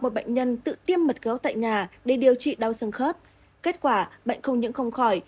một bệnh nhân tự tiêm mật gấu tại nhà để điều trị đau xương khớp kết quả bệnh không những không khỏi